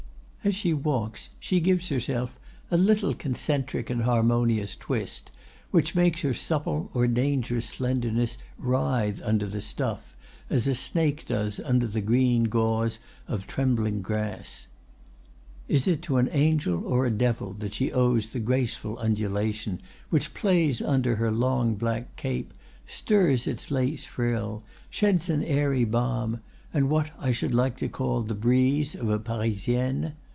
"As she walks she gives herself a little concentric and harmonious twist, which makes her supple or dangerous slenderness writhe under the stuff, as a snake does under the green gauze of trembling grass. Is it to an angel or a devil that she owes the graceful undulation which plays under her long black silk cape, stirs its lace frill, sheds an airy balm, and what I should like to call the breeze of a Parisienne?